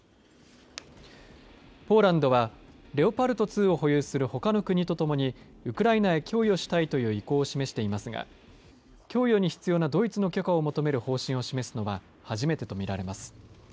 ポーランドはレオパルト２を保有するほかの国と共にウクライナへ供与したいという意向を示していますが供与に必要なドイツの許可を求める方針を示すのは初めてと見られます。